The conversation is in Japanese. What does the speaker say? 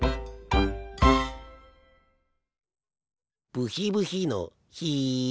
ブヒブヒのヒ。